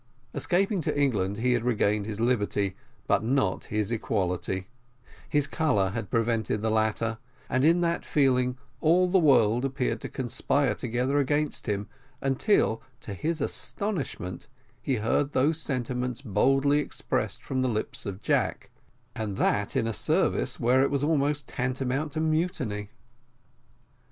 Escaping to England, he had regained his liberty, but not his equality; his colour had prevented the latter, and in that feeling all the world appeared to conspire together against him, until, to his astonishment, he heard those sentiments boldly expressed from the lips of Jack, and that in a service where it was almost tantamount to mutiny.